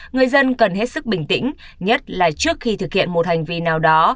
người dân cần hết sức bình tĩnh nhất là trước khi thực hiện một hành vi nào đó